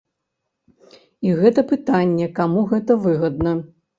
І гэта пытанне, каму гэта выгадна.